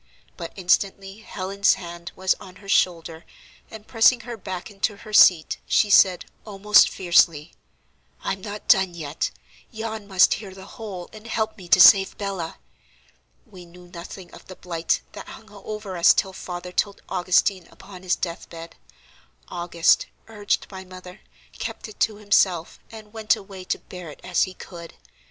But instantly Helen's hand was on her shoulder, and pressing her back into her seat, she said, almost fiercely: "I'm not done yet; yon must hear the whole, and help me to save Bella. We knew nothing of the blight that hung over us till father told Augustine upon his death bed. August, urged by mother, kept it to himself, and went away to bear it as he could.